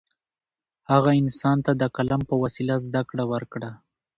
هغه انسان ته د قلم په وسیله زده کړه ورکړه.